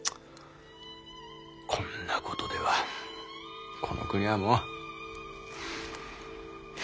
こんなことではこの国はもう。